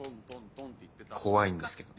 怖いんですけど。